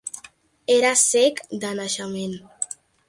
Era cec de naixement.